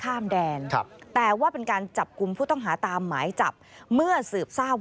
และร่วมกันมียุทธภัณฑ์ไว้ในครอบครองโดยไม่ได้รับอนุญาต